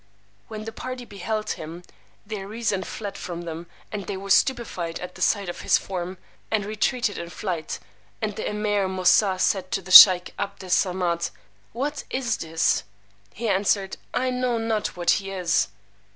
When the party beheld him, their reason fled from them, and they were stupefied at the sight of his form, and retreated in flight; and the Emeer Moosà said to the sheykh 'Abd Es Samad, What is this? He answered, I know not what he is.